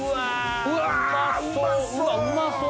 うわうまそう！